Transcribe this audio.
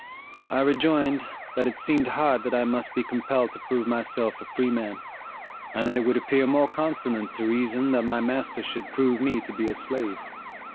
I rejoined, that it seemed hard that I must be compelled to prove myself a freeman: and that it would appear more consonant to reason that my master should prove me to be a slave.